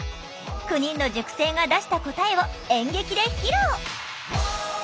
９人の塾生が出した答えを演劇で披露！